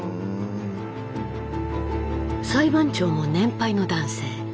うん。裁判長も年配の男性。